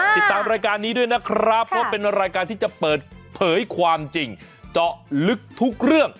ติดตามรายการนี้ด้วยนะครับเพราะเป็นรายการที่จะเปิดเผยความจริงเจาะลึกทุกเรื่อง